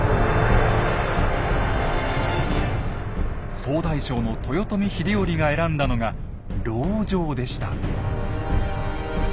総大将の豊臣秀頼が選んだのが籠城でした。